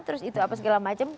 terus itu apa segala macam